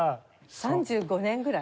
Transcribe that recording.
３５年ぐらい？